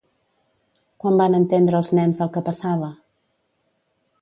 Quan van entendre els nens el que passava?